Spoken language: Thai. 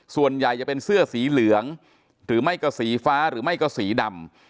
ส่วนใหญ่จะเป็นเสื้อสีเหลืองหรือไม่ก็สีฟ้าหรือไม่ก็สีดำ